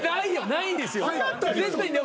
ないですよ。